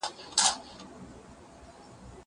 زه بايد لوبي وکړم؟!